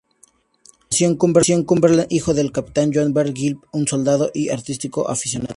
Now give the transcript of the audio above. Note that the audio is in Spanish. Nació en Cumberland, hijo del capitán John Bernard Gilpin, un soldado y artista aficionado.